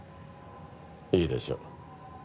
いいでしょう。